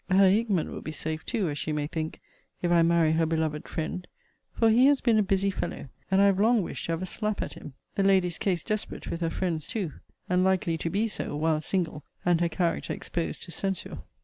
Her Hickman will be safe too, as she may think, if I marry her beloved friend: for he has been a busy fellow, and I have long wished to have a slap at him! The lady's case desperate with her friends too; and likely to be so, while single, and her character exposed to censure.